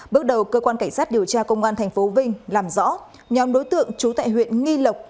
bước đầu cơ quan cảnh sát điều tra công an tp vinh làm rõ nhóm đối tượng trú tại huyện nghi lộc